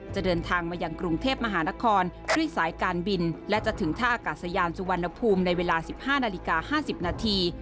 เดินทางมายังกรุงเทพมหานครด้วยสายการบินและจะถึงท่าอากาศยานสุวรรณภูมิในเวลา๑๕นาฬิกา๕๐นาที